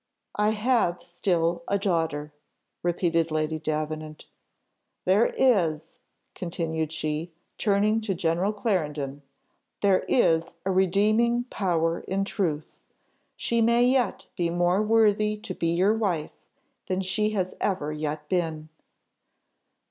"I have still a daughter," repeated Lady Davenant. "There is," continued she, turning to General Clarendon, "there is a redeeming power in truth. She may yet be more worthy to be your wife than she has ever yet been!"